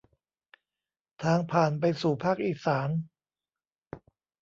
ทางผ่านไปสู่ภาคอีสาน